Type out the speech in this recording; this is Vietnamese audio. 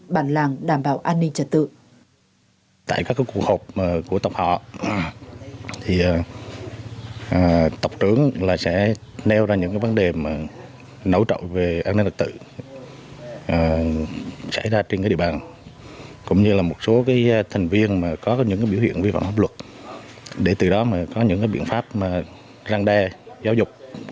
bản làng đảm bảo an ninh trật tự